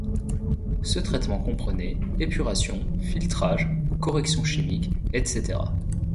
Ce traitement comprenait: épuration, filtrage, correction chimique, etc.